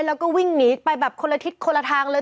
แล้วก็วิ่งหนีไปแบบคนละทิศคนละทางเลย